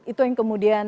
itu yang kemudian di